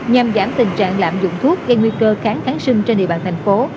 nhằm giảm tình trạng lạm dụng thuốc gây nguy cơ kháng kháng sinh trên địa bàn thành phố